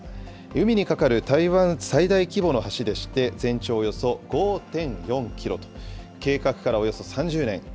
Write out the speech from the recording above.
海に架かる台湾最大規模の橋でして、全長およそ５．４キロと、計画からおよそ３０年。